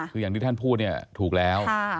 คืออย่างที่ท่านพูดเนี่ยถูกแล้ว